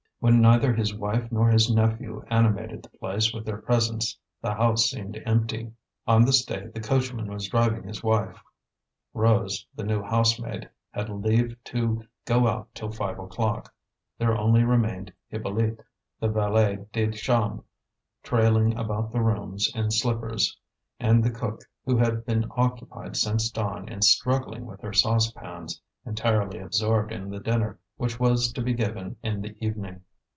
When neither his wife nor his nephew animated the place with their presence the house seemed empty. On this day the coachman was driving his wife; Rose, the new housemaid, had leave to go out till five o'clock; there only remained Hippolyte, the valet de chambre, trailing about the rooms in slippers, and the cook, who had been occupied since dawn in struggling with her saucepans, entirely absorbed in the dinner which was to be given in the evening.